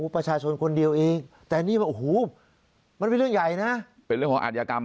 ประชาชนคนเดียวเองแต่นี่ว่าโอ้โหมันเป็นเรื่องใหญ่นะเป็นเรื่องของอาธิกรรม